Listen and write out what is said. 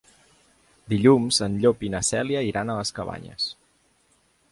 Dilluns en Llop i na Cèlia iran a les Cabanyes.